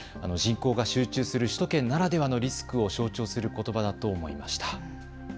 人口が集中する首都圏ならではのリスクを象徴することばだと思いました。